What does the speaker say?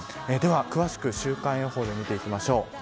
では詳しく週間予報を見ていきます。